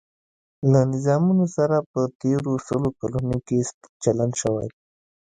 له نظامونو سره په تېرو سلو کلونو کې سپک چلن شوی.